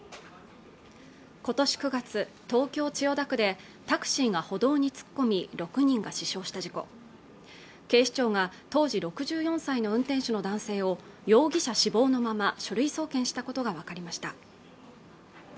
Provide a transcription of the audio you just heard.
今年９月東京千代田区でタクシーが歩道に突っ込み６人が死傷した事故警視庁が当時６４歳の運転手の男性を容疑者死亡のまま書類送検したことが分かりました